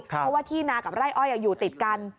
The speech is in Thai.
เพราะว่าที่นากับไร่อ้อยอยู่ติดกัน